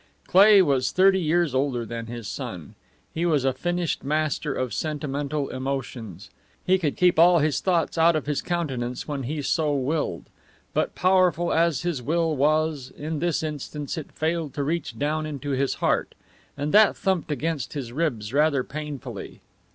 Cleigh was thirty years older than his son; he was a finished master of sentimental emotions; he could keep all his thoughts out of his countenance when he so willed. But powerful as his will was, in this instance it failed to reach down into his heart; and that thumped against his ribs rather painfully.